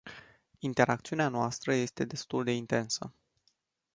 Interacțiunea noastră este destul de intensă.